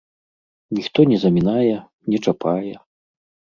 Ніхто не замінае, не чапае.